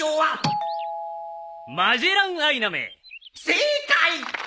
正解！